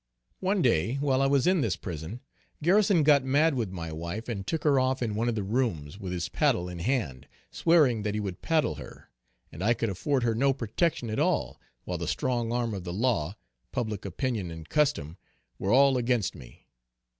One day while I was in this prison, Garrison got mad with my wife, and took her off in one of the rooms, with his paddle in hand, swearing that he would paddle her; and I could afford her no protection at all, while the strong arm of the law, public opinion and custom, were all against me.